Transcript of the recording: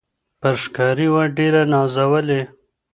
پر ښکاري وه ډېر ه ګرانه نازولې